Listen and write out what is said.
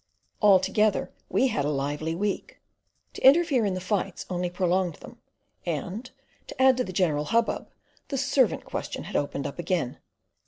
Altogether we had a lively week. To interfere in the fights only prolonged them; and, to add to the general hubbub, the servant question had opened up again.